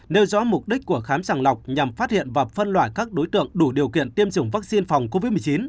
nêu rõ mục đích của khám sàng lọc nhằm phát hiện và phân loại các đối tượng đủ điều kiện tiêm chủng vaccine phòng covid một mươi chín